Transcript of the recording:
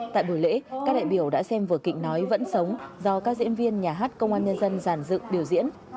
tại buổi lễ các đại biểu đã xem vở kịch nói vẫn sống do các diễn viên nhà hát công an nhân dân giàn dựng biểu diễn